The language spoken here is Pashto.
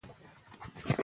د خزان پاڼې هم ښکلي دي.